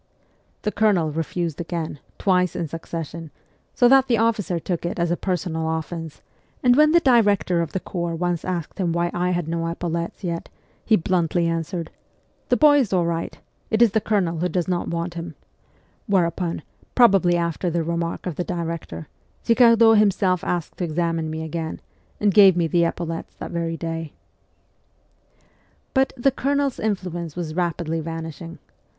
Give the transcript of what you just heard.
The Colonel refused again, twice in succession, so that the officer took it as a personal offence ; and when the director of the corps once asked him why I had no epaulettes yet, he bluntly answered, ' The boy is all right ; it is the Colonel who does not want him ;' whereupon, probably after the remark of the director, Girardot himself asked to examine me again, and gave me the epaulettes that very day. But the Colonel's influence was rapidly vanishing.